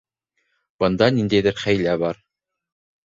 Бында ниндәйҙер хәйлә бар...